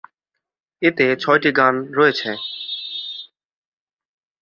এতে ছয়টি গান রয়েছে।